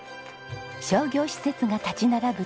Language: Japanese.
商業施設が立ち並ぶ